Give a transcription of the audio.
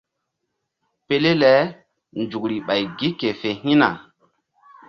Pele le nzukri ɓay gi ke fe hi̧na.